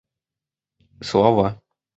слова